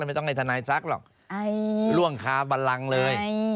ไม่ใช่สนัยซักหรอกร่วงค้าบัลลังเลย